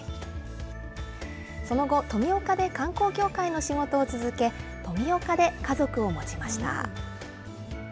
その後、富岡で観光協会の仕事を続け、富岡で家族を持ちました。